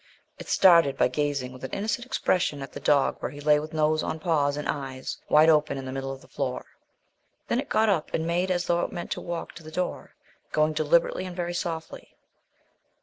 It started by gazing with an innocent expression at the dog where he lay with nose on paws and eyes wide open in the middle of the floor. Then it got up and made as though it meant to walk to the door, going deliberately and very softly.